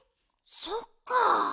そっか。